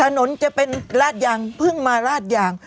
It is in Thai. ถนนจะเป็นราดยางเพิ่งมาราดยาง